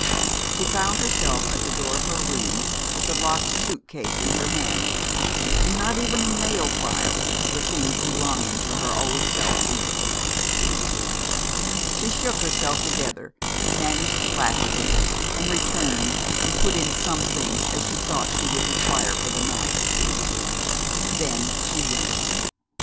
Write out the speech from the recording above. She found herself at the door of her room with the locked suit case in her hand, and not even a nail file of the things belonging to her old self in it. She shook herself together, managed to laugh a little, and returned and put in such things as she thought she would require for the night. Then she went.